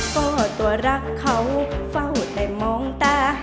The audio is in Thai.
ก็ตัวรักเขาเฝ้าแต่มองตา